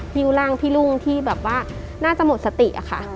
ิวร่างพี่รุ่งที่แบบว่าน่าจะหมดสติอะค่ะ